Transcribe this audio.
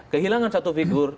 kehilangan satu figure